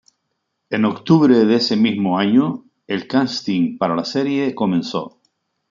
En octubre de ese mismo año, el casting para la serie comenzó.